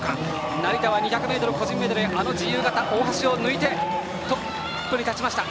成田は２００ｍ個人メドレーで自由形、あの大橋を抜いてトップに立ちました。